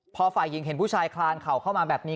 พอฝ่ายหญิงเห็นผู้ชายคลานเข่าเข้ามาแบบนี้